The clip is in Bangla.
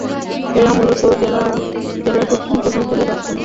এঁরা মূলত জেলার দক্ষি-পূর্বাঞ্চলে বাস করেন।